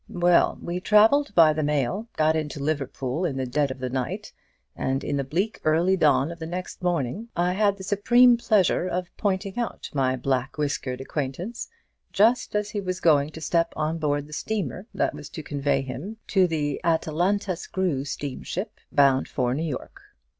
"Well, we travelled by the mail, got into Liverpool in the dead of the night, and in the bleak early dawn of the next morning I had the supreme pleasure of pointing out my black whiskered acquaintance, just as he was going to step on board the steamer that was to convey him to the Atalanta screw steam ship, bound for New York.